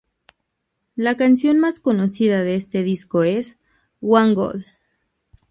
La canción más conocida de este disco es "One goal".